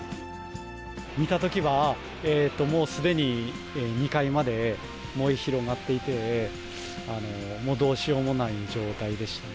見たときは、もうすでに２階まで燃え広がっていて、もうどうしようもない状態でしたね。